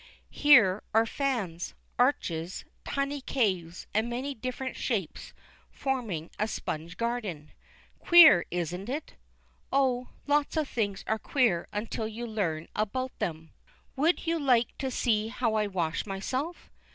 Here are fans, arches, tiny caves, and many different shapes forming a sponge garden. Queer, isn't it? Oh, lots of things are queer until you learn about them. Would you like to see how I wash myself?